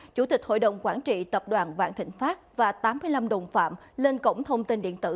chủ tịch hội đồng quản trị tập đoàn vạn thịnh pháp và tám mươi năm đồng phạm lên cổng thông tin điện tử